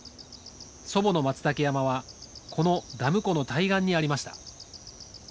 祖母のマツタケ山はこのダム湖の対岸にありました。